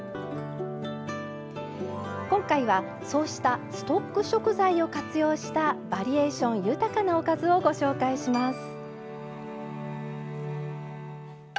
今回はそうしたストック食材を活用しバリエーション豊かなおかずをご紹介します。